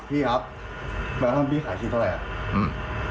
พี่ครับใบกระท่อมพี่ขายชีพเท่าไหร่อืม